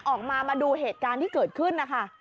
ออกมามาดูเหตุการณ์ที่เกิดขึ้น